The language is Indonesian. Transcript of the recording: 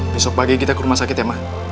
besok pagi kita ke rumah sakit ya pak